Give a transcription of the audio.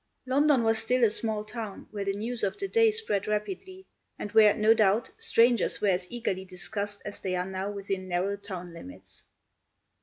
London was still a small town, where the news of the day spread rapidly, and where, no doubt, strangers were as eagerly discussed as they are now within narrow town limits.